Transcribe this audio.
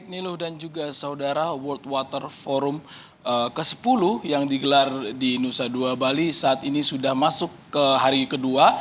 ktt wwf ke sepuluh yang digelar di nusa dua bali saat ini sudah masuk ke hari kedua